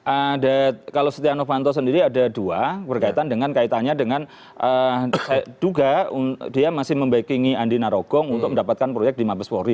ada kalau setia novanto sendiri ada dua berkaitan dengan kaitannya dengan duga dia masih membackingi andi narogong untuk mendapatkan proyek di mabes polri